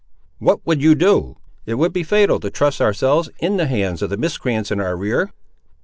"What would you do? It would be fatal to trust ourselves in the hands of the miscreants in our rear."